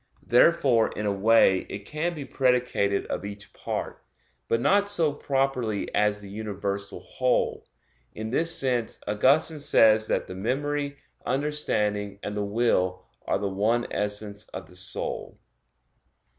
Therefore in a way it can be predicated of each part, but not so properly as the universal whole. In this sense, Augustine says that the memory, understanding, and the will are the one essence of the soul.